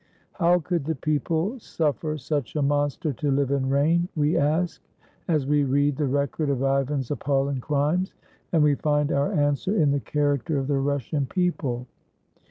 "How could the people suffer such a monster to Hve and reign? " we ask, as we read the record of Ivan's ap palling crimes; and we find our answer in the character of the Russian people.